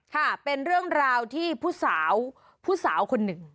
ค่ะเป็นเรื่องราวที่ผู้สาวผู้สาวคนหนึ่ง